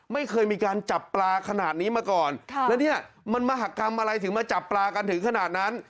ไม่เคยมีการจับปลาขนาดนี้มาก่อนแล้วเนี่ยมันมหากรรมอะไรถึงมาจับปลากันถึงขนาดนั้น